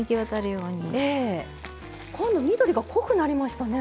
ええ。今度緑が濃くなりましたね。